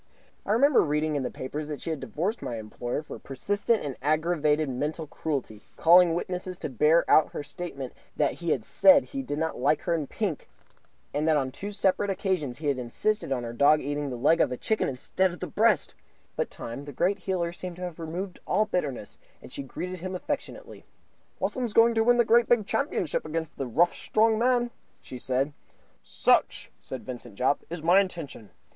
I remembered reading in the papers that she had divorced my employer for persistent and aggravated mental cruelty, calling witnesses to bear out her statement that he had said he did not like her in pink, and that on two separate occasions had insisted on her dog eating the leg of a chicken instead of the breast; but Time, the great healer, seemed to have removed all bitterness, and she greeted him affectionately. "Wassums going to win great big championship against nasty rough strong man?" she said. "Such," said Vincent Jopp, "is my intention.